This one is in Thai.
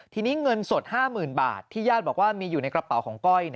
ทีนี้เงินสด๕๐๐๐บาทที่ญาติบอกว่ามีอยู่ในกระเป๋าของก้อย